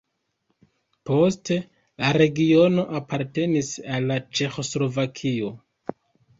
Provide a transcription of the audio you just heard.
Poste la regiono apartenis al Ĉeĥoslovakio.